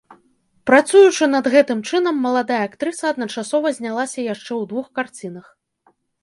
Працуючы над гэтым чынам, маладая актрыса адначасова знялася яшчэ ў двух карцінах.